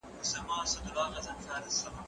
زه اوږده وخت مځکي ته ګورم وم!!